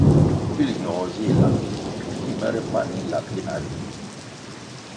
Pil ñogo zih lang me ki mere pani lap gina ri.